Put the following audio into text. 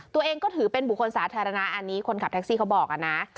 ตัวเองก็ถือเป็นบุคคลสาธารณะอันนี้คนขับแท็กซี่เขาบอกนะ